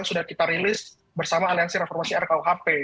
sudah kita rilis bersama aliansi reformasi rkuhp